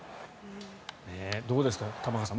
どうですか、玉川さん